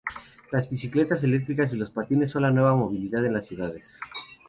Las bicicletas eléctricas y los patines son la nueva movilidad en las ciudades